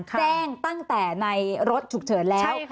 แจ้งตั้งแต่ในรถฉุกเฉินแล้ว